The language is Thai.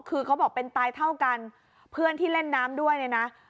คือเขาบอกเป็นตายเท่ากันเพื่อนที่เล่นน้ำด้วยเนี่ยนะ